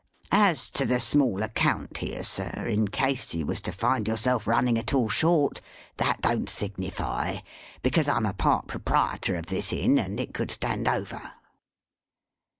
As to the small account here, sir, in case you was to find yourself running at all short, that don't signify; because I'm a part proprietor of this inn, and it could stand over."